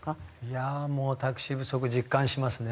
もうタクシー不足実感しますね。